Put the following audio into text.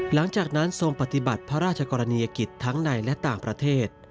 หลังจากนั้นทรงปฏิบัติพระราชกรณียกิจทั้งในและต่างประเทศ